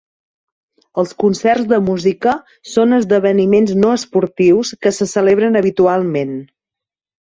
Els concerts de música són esdeveniments no esportius que se celebren habitualment.